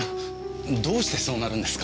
どうしてそうなるんですか？